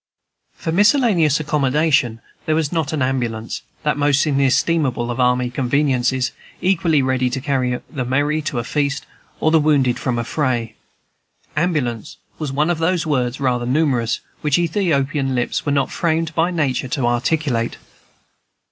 For miscellaneous accommodation was there not an ambulance, that most inestimable of army conveniences, equally ready to carry the merry to a feast or the wounded from a fray. "Ambulance" was one of those words, rather numerous, which Ethiopian lips were not framed by Nature to articulate.